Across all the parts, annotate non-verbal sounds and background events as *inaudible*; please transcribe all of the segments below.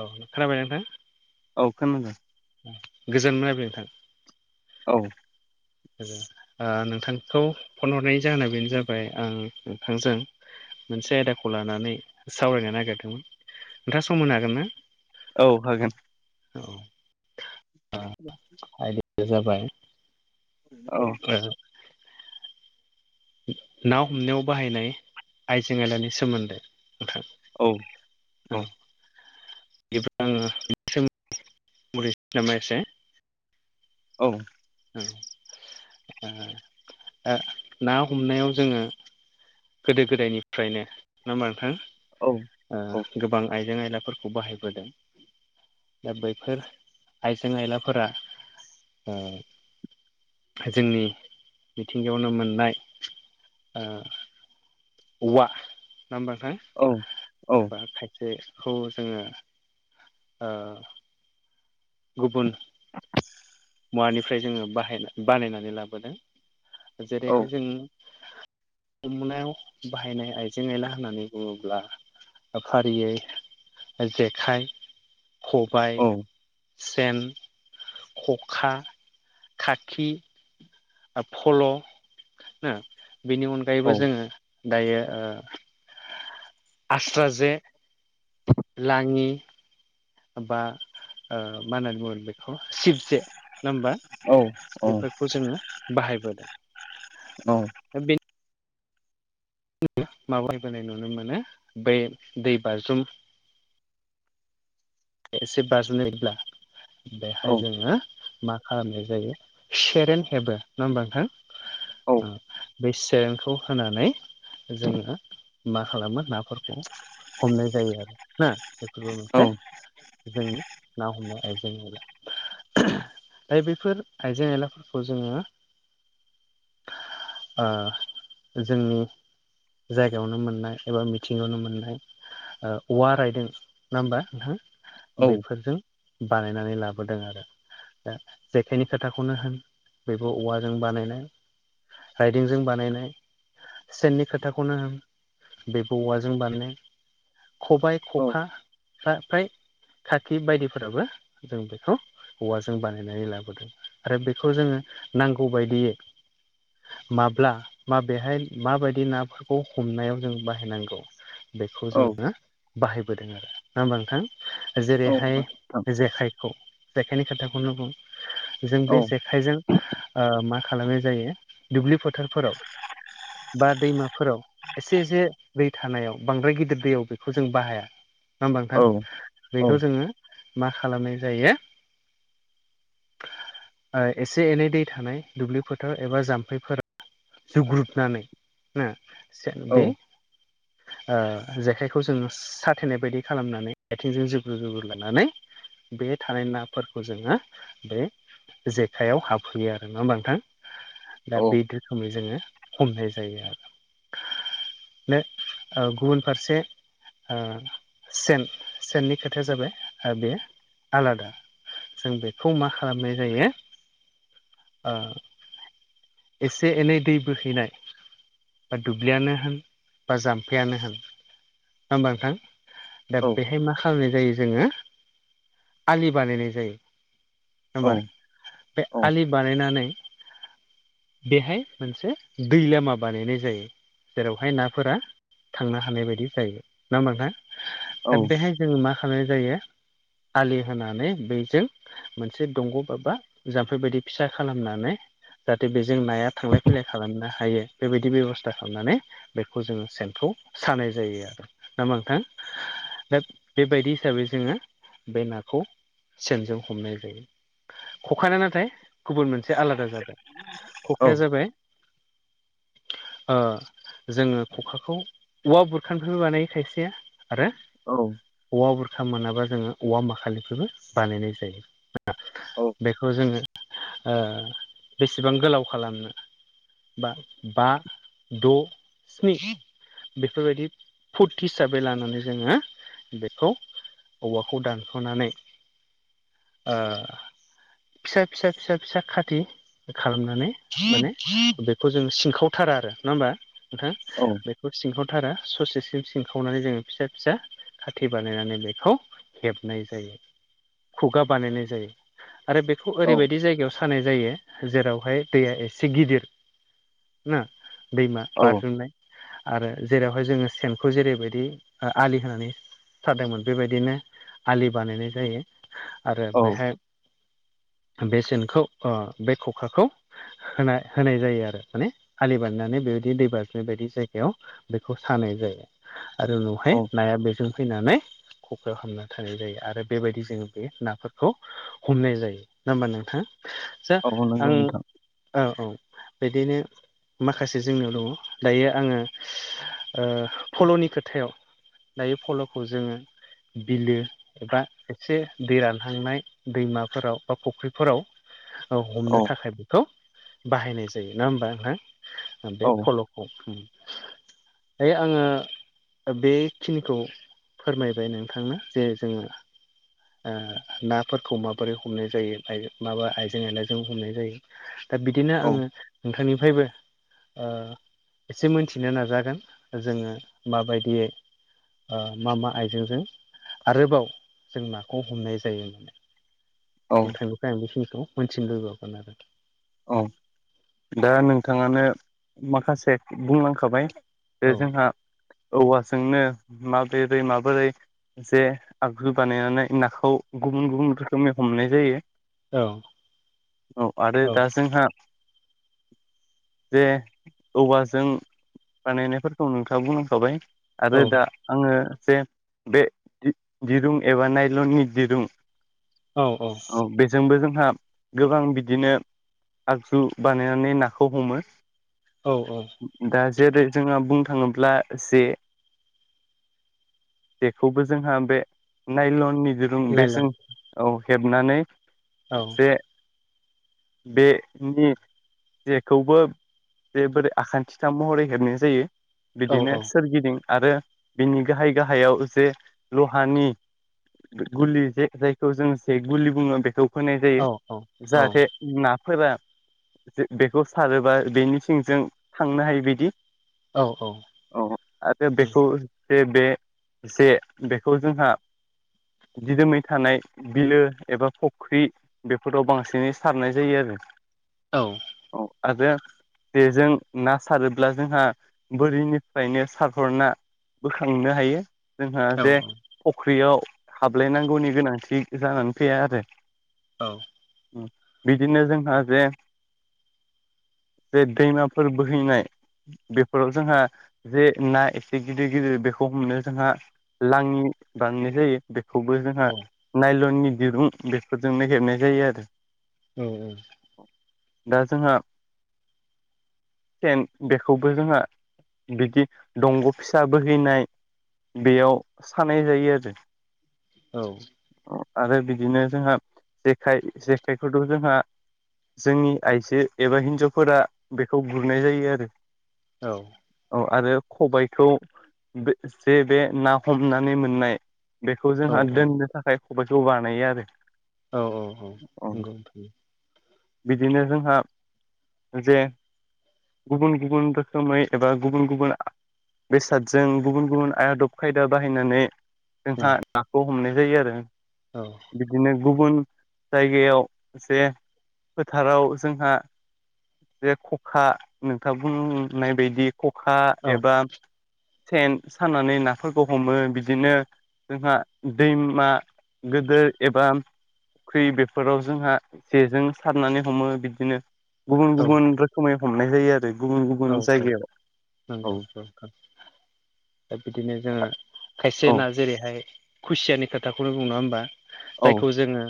औ खोनाबाय नोंथां औ खोनादों गोजोननाय बाय नोंथां औ नोंथांखौ फन हरनायनि जाहोना बेनो जाबाय आं नोंथांजों मोनसे आयदाखौ लानानै सावरायनो नागिरदोंमोन नोंथाङा सम होनो हागोन ना। औ हागोन औ *unintelligible* आयदाया जाबाय औ *unintelligible* ना हमनायाव बाहायनाय आइजें आयलानि सोमोन्दै नोंथां औ औ *unintelligible* नामा एसे औ औ ओ ओ ना हमनायाव जोङो गोदो गोदायनिफ्रायनो ना मा नोंथां? औ ओ गोबां आइजें आयलाफोरखौ बाहायबोदों दा बैफोर आइजें आयलाफोरा ओ जोंनि मिथिंगायावनो मोननाय ओ उवा नङा होमबा नोंथां? औ औ बा खायसेखौ जोङो ओ गुबुन मुवानिफ्राय जोङो बाहायना बानायनानै लाबोनो औ जेरैहाय जों हमनायाव बाहायनाय आइजें आयला होननानै बुङोब्ला ओ फारियै ओ जेखाइ खबाइ औ सेन, खखा, खाखि ओ फल' नो बेनि औ अनगायैबो जोङो दायो ओ आस्रा जे लाङि बा ओ मा होनना बुंङो बेखौ सिब जे नङा ओमबा बेफोरखौ जोङो बाहायबोदों औ बे *unintelligible* माबायबोनाय नुनो मोनो बै दै बाज्रुम एसे बाज्रनायब्ला बेहाय जोङो मा खालामनाय जायो सेरेन हेबो नङा होमबा नोंथां बे सेरेनखौ होनानै जोङो मा खालामो नाफोरखौ हमनाय जायो आरो ना बेफोरबो मोनसे जोंनि ना हमनाय आयजें आयला दा बैफोर आइजें आयलाफोरखौ जोङो ओ जोंनि जायगायावनो मोननाय एबा मिथिङायावनो मोननाय ओ औवा रायदों नङा होमबा नोंथां औ बेफोरजों बानायनानै लाबोदों आरो दा जेखाइनि खोथाखौनो होन बेबो औवाजों बानायनाय राइदोंजों बानायनाय सेननि खोथाखौनो होन बेबो औवाजों बानायनाय खबाइ खखा *unintelligible* खाखि बायदिफोराबो जों बेखौ औवाजों बानायनानै लाबोदों आरो बेखौ जोङो नांगौ बायदियै माब्ला माबेहाय माबादि नाफोरखौ हमनायाव जों बाहायनांगौ बेखौ जोङो बाहायबोदों आरो नङा होमबा नोंथां? जेरैहाय जेखायखौ जेखायनि खोथाखौनो बुं जों बे औ जेखायजों मा खालामनाय जायो दुब्लि फो फोथारफोराव बा दैमाफोराव एसे एसे दै थानायाव बांद्राय गिदिर दैयाव बेखौ जों बाहाया नङा होमबा नोंथां बेखौ जोङो मा खालामनाय जायो ओ एसे एनै दै थानाय दुब्लि फोथार एबा जाम्फैफोराव जुग्रुबनानै नो बे *inaudible* ओ जेखाइखौ जोङो साथेनाय बायदि खालामनानै आथिंजों जोब्रु जोब्रु लानानै बे थानाय नाफोरखौ जोङो बे जेखाइायाव हाबहैयो आरो नङा होमबा नोंथां दा बे रोखोमै जोङो हमनाय जायो आरो नो ओ गुबुन फारसे ओ सेन सेननि खोथाया जाबाय बेयो आलादा जों बेखौ मा खालामनाय जायो एसे एनै दै बोहैनाय बा दुब्लियानो होन बा जाम्फैयानो होन नङा होमबा नोंथां दा बेहाय मा खालामनाय जायो जोङो आलि बानायनाय जायो होनबा नोंथां बे औ आलि बानायनानै बेहाय मोनसे दै लामा बानायनाय जायो जेरावहाय नाफोरा थांनो हानाय बायदि जायो नङा होमबहा दा बेहाय जोङो मा खालाम जायो आलि होनानै बैजों मोनसे दंग' बाबा जाम्फै बायदि फिसा खालामनानै दे बेजों नाया थांलाय फैलाय खालामनो हायो बेबायदि बेब'स्था खालामनानै बेखौ जोङो सेनखौ सानाय जायो आरो ना मा नोंथां दा बेबायदि हिसाबै जोङो बे नाखौ सेनजों हमनाय जायो खखाना नाथाय गुबुन मोनसे आलादा जाबाय औ खाया जाबाय ओ जोङो खखाखौ औवा बुरखानिफ्रायबो बानायो खायसे आरो औ औ औवा बुरखा मोनाबा जोङो औवा माखालिफ्रायबो बानायनाय जायो औ बेखौ जोङो ओ बेसेबां गोलाव खालामनो बा बा द' स्नि बेफोरबायदि फुथ हिसाबै लानानै जोङो बेखौ औवाखौ दानख'नानै ओ फिसा फिसा फिसा फिसा खाथि खालामनानै माने बेखौ जों सिनखावथारा आरो नंङा होमबा नोंथां? औ बेखौ सिंखावथारा ससेसिम सिंखावनानै जोंङो फिसा फिसा खाथि बानायनानै बेखौ हेबनाय जायो खुगा बानायनाय जायो आरो बेखौ ओरैबायदि जायगायाव सानाय जायो जेरावहाय दैया एसे गिदिर ना औ दैमा औ बारजुमनाय आरो जेरावहाय जोंङो सेनखौ जेरैबायदि ओ आलि होनानै सादोंमोन बेबायदिनो आलि बानायनाय जायो औ आरो औ बेहाय बे सेनखौ ओ बे खखाखौ होना होनाय जायो आरो माने आलि बारनाय बेबायदि दै बारनाय बायदि जायगायाव बेखौ सानाय जायो आरो उनावहाय औ नाया बेजों फैनानै खखायाव हाबना थानाय जायो आरो बेबायदि जोंङो बे नाफोरखौ हमनाय जायो नंङा होमबा नोंथां? सा औ नंगौ आं नोंथां औ औ बिदिनो माखासे जोंनियाव दंङ दायो आंङो फल'नि खोथायाव दायो फल'खौ जोंङो बिलो एबा एसे दै रानहांनाय दैमाफोराव बा फुख्रिफोराव औ हमनो थाखाय बेखौ बाहायनाय जायो नोङा होमबा नोंथां बे औ फलखौ ओ आंङो बेखिनिखौ फोरमायबाय नोंथांनो जे जोंङो ओ नाफोरखौ माबोरै हमनाय जायो माबा आइजें आइला जों जोंबो हमनाय जायो दा बिदिनो औ आंङो नोंथांनिफ्रायबो ओ एसे मोनथिनो नाजागोन जोंङो माबादियै ओ मा मा आइजेंजों आरोबाव जों नाखौ हमनाय जायो औ नोंथांनिफाय आं बेखिनिखौ मोन्थिनो लुबैबावगोन आरो खि औ दा नोंथांआनो माखासे बुंलांखाबाय बे औ जोंहा औवाजोंनो माबिरै माबोरै जे आगजु बानायनानै नाखौ गुबुन गुबुन रोखोमनि हमनाय जायो औ औ आरो दा जोंहा जे औवाजों बानायनायफोरखौ नोंथांआ बुंलांखाबाय आरो दा आंङो जे बे दिरुं एबा नायलननि दिरुं औ बेजोंबो जोंहा गोबां बिदिनो आगजु बानायनानै नाखौ हमो औ औ दा जेरै जोंहा बुंनो थांङोब्ला जे जेखौबो जोंहा बे नायलन नि जों लाइल औ बेजों औ हेबनानै जे बे नि जेखौबो जे बोरै आखान्थिथाम महरै हेबनाय जायो औ बिदिनो औ सोरगिदिं आरो बिनि गाहाय गाहायाव जे ल'हानि गुलि जि जायखौ जों जे गुलि बुंङो बेखौ होनाय जायो औ औ जाहाथे नाफोरा बे बेखौ सारोबा बेनि सिंजों थांनो हायो बादि औ औ उम आरो बेखौ जे बे जे बेखौ जोंहा दिदोमै थानाय बिलो एबा फ'ख्रि बेफोराव बांसिनै सारनाय जायो आरो औ औ आर बे जेजों ना सारोब्ला जोंहा बोरिनिफ्रायनो सारह'रना बोखांनो हायो जोंहा जे फख्रिआव हाबलायनांगौनि गोनांथि जानानै फैआ आरो औ उम बिदिनो जोंहा जे जे दैमाफोर बोहैनाय बेफोराव जोंहा जे ना एसे गिदिर गिदिर बेखौ हमनो जोंहा लाङि बानायनाय जायो बेखौबो जोंहा नायलननि दिरुं बेफोरजों नो हेबनाय जायो आरो औ औ दा जोंहा सेन बेखौबो जोंहा बिदिह दंग' फिसा बोहैनाय बेआव सानाय जायो आरो औ औ आरो बिदिनो जोंहा जेखाइ जेखाइखौथ' जोंहा जोंनि आइजो एबा हिनजावफोरा बेखौ गुरनाय जायो आरो औ औ आरो खबायखौ बे जे बे ना हमनानै मोननाय बेखौ जोंहा दोननो थाखाय खबायखौ बानायो आरो औ औ औ औ नंगौ नोंथां। बिदिनो जोंहा जे गुबुन गुबुन रोखोमै एबा गुबुन गुबुन आ बेसादजों गुबुन गुबुन आदब खायदा बाहायनानै जोंहा नाखौ हमनाय जायो आरो। औ बिदिनो गुबुन जायगायाव जे फोथाराव जोंहा जे खखा नोंथाङा बुंनाय बायदि खखा एबा सेन सानानानै नाफोरखौ हमो बिदिनो जोंहा दैमा गोदो एबा फुख्रि बेफोराव जोंहा जेजों सारनानै हमो बिदिनो गुबुन औ गुबुन रोखोमै हमनाय जायो आरो गुबुन औ गुबुन औ जायगायाव नंगौ औ *inaudible* दा बिदिनो जोङो खायसे औ ना जेरैहाय खुसियानि खोथाखौनो बुं नङा होमबा। औ जायखौ जोङो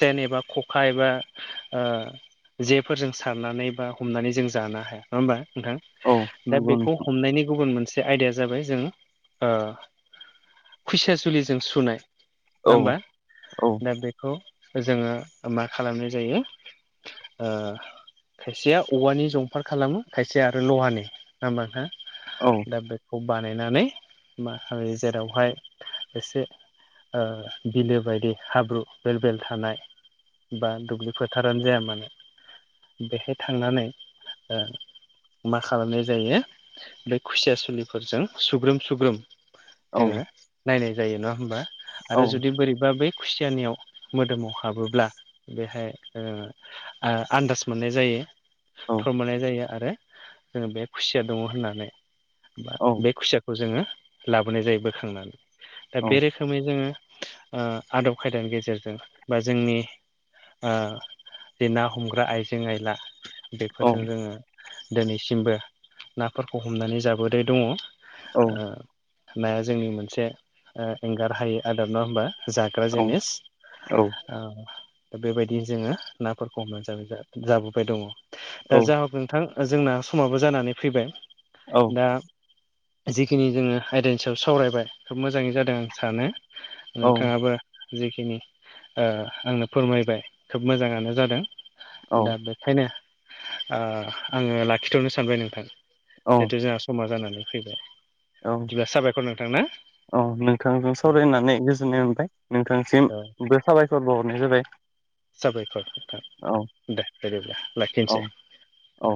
सेन एबा खखा एबा आ जेफोरजों सारनानै बा हमनानै जों जानो हाया नङा होमबा। औ नोंथां दा नंगौ बेखौ नोंथां हमनायनि गुबुन मोनसे जे आयदाया जाबाय जों ओ खुसिया जुलिजों सुनाय औ ना होमबा औ दा बेखौ जोङो मा खालामनाय जायो आ खायसेया औवानि जंफार खालामो खायसे आरो लहानि नङा होमबा नोंथा। औ दा बेखौ बानायनानै मा खालायो जेरावहाय एसे ओ बिलो बायदि हाब्रु बेल बेल थानाय बा दुब्लि फोथारानो जाया मानो बेहाय थांनानै ओ मा खालामनाय जायो बे खुसिया सुलिफोरजों सुग्रोम सुग्रोम औ दोङो नायनाय जायो नङा होमबा आरो जुदि बोरैबा बे खुसियानियाव मोदोमाव हाबोब्ला बेहाय ओ आ आन्दाज मोननाय जायो औ थ'र मोननाय जायो आरो जोङो बे खुसिया दङ होननानै बा औ बे खुसियाखौ जोङो लाबोनाय जायो बोखांनानै दा औ बे रोखोम रोखोमै जोङो ओ आदब खायदानि गेजेरजों बा जोंनि ओ जे ना हमग्रा आइजें आयला औ बेफोरजों जोङो दिनैसिमबो नाफोरखौ हमनानै जाबोबाय दङ। ओ औ नाया जोंनि मोनसे ओ एंगार हायै आदब नङा होमबा जाग्रा औ जिनिस। दा बेबायदिनो जोङो नाफोरखौ हमनानै जाबाय जाबोबाय दङ। दा जा हक नोंथां जोंना समाबो जानानै फैबाय। औ दा जिखिनि जोङो आयदानि सायाव सावरायबाय खोब मोजाङै जादों आं सानो। नोंथाङाबो जिखिनि आंनो फोरमायबाय खोब मोजाङानो जादों औ दा बे खायनो ओ आङो लाखिथ'नो सानबाय नोंथां औ जिहेथु जोंहा समा जानानै फैबाय औ बिदिबा साबायखर नोंथां। ना औ नोंथांजों सावरायनानै गोजोननाय मोनबाय नोंथांनिसिमबो साबायखर बहरनाय जाबाय। साबायखर औ नोंथां दे बिदिब्ला औ लाखिनोसै। औ